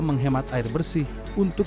menghemat air bersih untuk